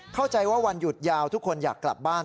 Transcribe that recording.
เข้าใจว่าวันหยุดยาวทุกคนอยากกลับบ้าน